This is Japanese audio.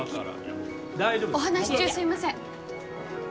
お話し中すいません。